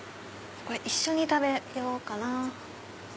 これ一緒に食べようかな。